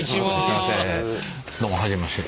どうも初めまして。